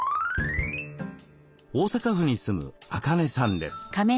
大阪府に住むアカネさんです。